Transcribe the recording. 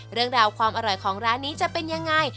เรื่องราวความอร่อยของร้านนี้จะเป็นยังไง